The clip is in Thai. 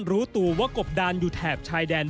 รู้ตัวว่ากบดานอยู่แถบชายแดน